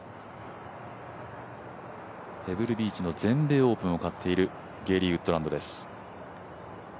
ペブルビーチの全米オープンを勝っているゲーリー・ウッドランドです。